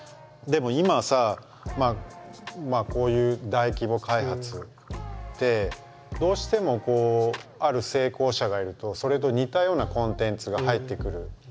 でも今さこういう大規模開発ってどうしてもある成功者がいるとそれと似たようなコンテンツが入ってくる。